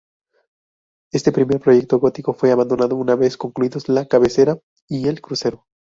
Este primer proyecto gótico fue abandonado una vez concluidos la cabecera y el crucero.